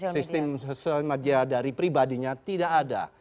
sistem sosial media dari pribadinya tidak ada